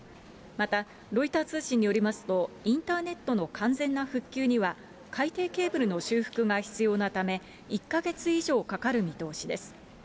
また、ロイター通信によりますと、インターネットの完全な復旧には、海底ケーブルの修復が必要なため、１か月以上かかる見通しです。